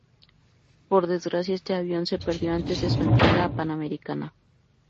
Por desgracia, este avión se perdió antes de su entrega a Pan American.